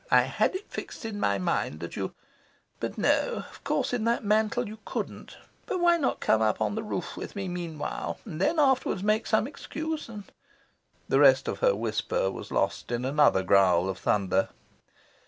I had it fixed in my mind that you but no, of course, in that mantle you couldn't. But why not come up on the roof with me meanwhile, and then afterwards make some excuse and " The rest of her whisper was lost in another growl of thunder.